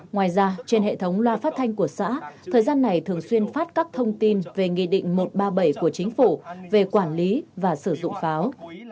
ngoài ra trên hệ thống loa phát thanh của xã thời gian này thường xuyên phát các thông tin về nghị định một trăm ba mươi bảy của chính phủ về quản lý và sử dụng pháo